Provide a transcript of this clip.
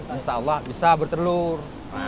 insya allah bisa bertelur